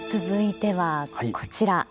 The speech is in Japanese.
続いては、こちら。